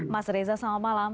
mas reza selamat malam